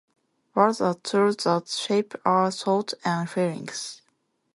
Words are tools that shape our thoughts and feelings.